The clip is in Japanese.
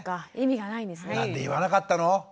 「なんで言わなかったの？